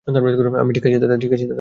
আমি ঠিক আছি, দাদা।